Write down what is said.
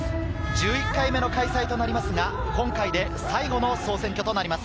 １１回目の開催となりますが、今回で最後の開催となります。